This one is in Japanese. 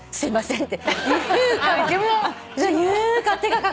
って。